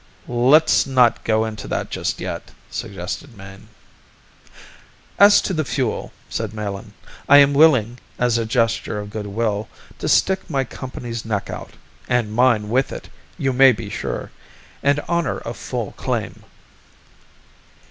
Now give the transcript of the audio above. "Let's not go into that just yet," suggested Mayne. "As to the fuel," said Melin, "I am willing, as a gesture of good will, to stick my company's neck out and mine with it, you may be sure and honor a full claim."